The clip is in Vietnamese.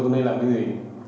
thôi tôi lên làm cái gì